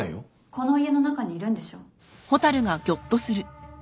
この家の中にいるんでしょ？